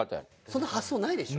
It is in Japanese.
その発想ないでしょ。